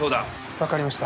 わかりました。